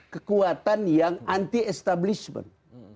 kekuatan yang anti establishment